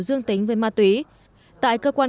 dương tính với ma túy tại cơ quan